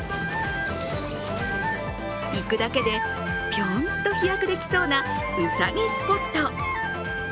行くだけでぴょんと飛躍できそうな、うさぎスポット。